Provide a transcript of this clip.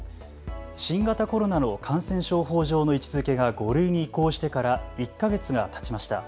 新型コロナの感染症法上の位置づけが５類に移行してから１ヶ月がたちました。